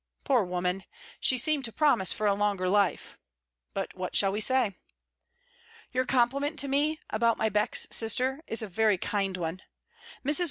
Poor woman! she seemed to promise for a longer life! But what shall we say? Your compliment to me, about my Beck's sister, is a very kind one. Mrs.